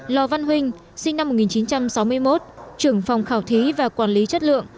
lò văn huynh sinh năm một nghìn chín trăm sáu mươi một trưởng phòng khảo thí và quản lý chất lượng